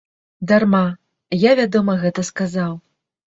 Дарма, я вядома, гэта сказаў.